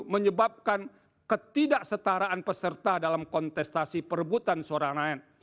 menyebabkan ketidaksetaraan peserta dalam kontestasi perebutan suara rakyat